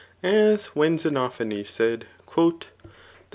As when Xenophanes said, *' That.